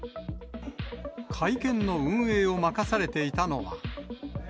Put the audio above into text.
会見の運営を任されていたのは。